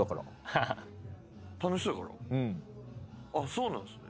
そうなんすね。